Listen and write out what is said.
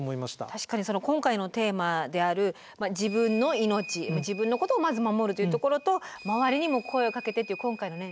確かに今回のテーマである自分の命自分のことをまず守るというところと周りにも声をかけてっていう今回のね